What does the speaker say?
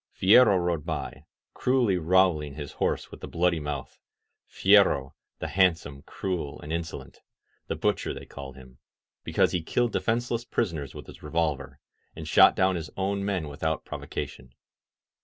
Fierro rode by, cruelly roweling his horse with the bloody mouth — Fierro, the handsome, cruel and insolent — ^The Butcher they called him, because he killed defenseless prison ers with his revolver, and shot down his own men with out provocation.